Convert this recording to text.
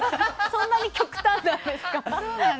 そんなに極端なんですか。